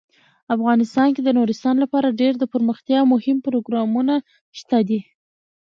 افغانستان کې د نورستان لپاره ډیر دپرمختیا مهم پروګرامونه شته دي.